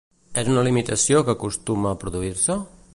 És una limitació que acostuma a produir-se?